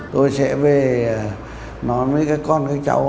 tôi sẽ về nói với các con các cháu